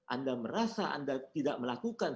anda merasa anda tidak melakukan